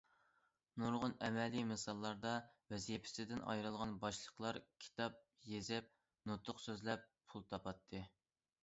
نۇرغۇن ئەمەلىي مىساللاردا ۋەزىپىسىدىن ئايرىلغان باشلىقلار كىتاب يېزىپ، نۇتۇق سۆزلەپ پۇل تاپاتتى.